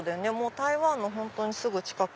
台湾の本当にすぐ近く。